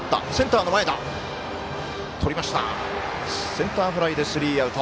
センターフライでスリーアウト。